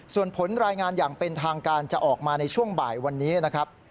ส่วนผลรายงานอย่างเป็นทางการจะออกมาในช่วงบ่ายวันนี้นะครับ